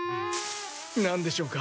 なんでしょうか？